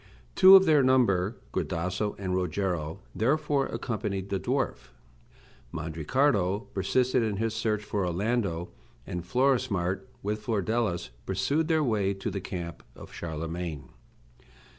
Two of their number, Gradasso and Rogero, therefore accompanied the dwarf. Mandricardo persisted in his search for Orlando, and Florismart, with Flordelis, pursued their way to the camp of Charlemagne.